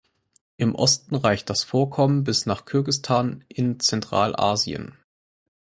Im Osten reicht das Vorkommen bis nach Kirgistan in Zentralasien.